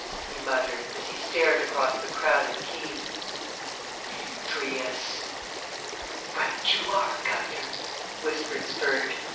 he muttered, as he stared across the crowded quay. "Andrius!" "Right you are, guv'nor," whispered Spurge.